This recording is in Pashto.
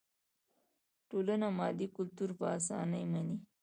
ټولنه مادي کلتور په اسانۍ مني.